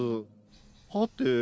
はて？